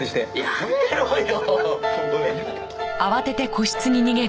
やめろよ。